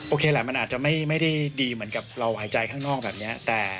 แหละมันอาจจะไม่ได้ดีเหมือนกับเราหายใจข้างนอกแบบนี้